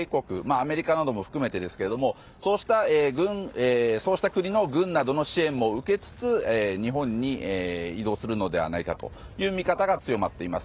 アメリカなども含めてですがそうした国の軍などの支援も受けつつ日本に移動するのではないかという見方が強まっています。